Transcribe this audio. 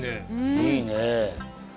いいね。